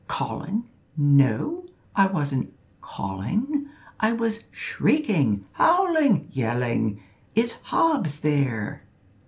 "Calling! no; I wasn't `calling.' I was shrieking, howling, yelling. Is Hobbs there?"